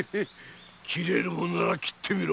斬れるもんなら斬ってみろ！